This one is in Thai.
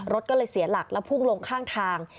รถก็เลยเสียหลักแล้วพุ่งลงข้างทาง